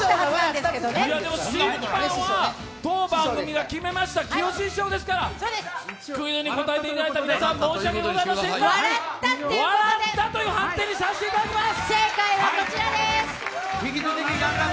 審判は当番組が決めましたきよし師匠ですから、クイズに答えていただいた皆さん、申し訳ありませんが笑ったという判定にさせていただきます。